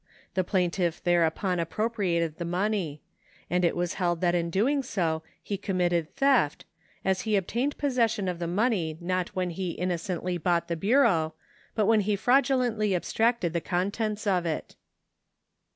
The plaintiff thereupon appropriated the money ; and it was held that in doing so he committed theft, as he obtained possession of the money not when he innocently bought the bureau, but when he fraudu lently abstracted the contents of it.